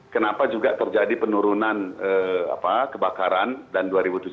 kenapa juga terjadi penurunan kebakaran dan dua ribu tujuh belas